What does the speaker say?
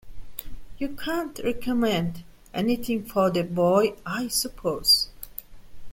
You can't recommend anything for the boy, I suppose?